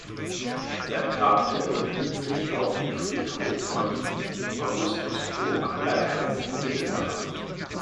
Seine Grabstelle befindet sich auf dem Friedhof von Augustusburg, Landkreis Mittelsachsen.